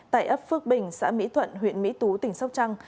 tại ấp phước bình xã mỹ thuận huyện mỹ tú tỉnh sóc trăng